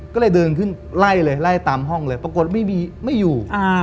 ก็เลยเดินขึ้นไล่เลยไล่ตามห้องเลยปรากฏไม่มีไม่อยู่